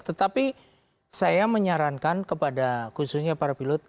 tetapi saya menyarankan kepada khususnya para pilot